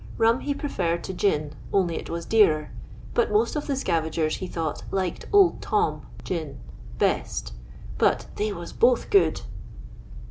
Bom he preferred to ffin, only it was dearer, but most of the scavagers, he thouffht, liked Old Tom (gin) best; but they waa boui good."